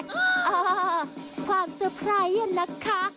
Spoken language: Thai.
อ้าวความเจอไพรส์น่ะค่ะ